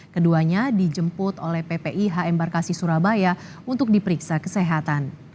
keduanya dijemput oleh ppih embarkasi surabaya untuk diperiksa kesehatan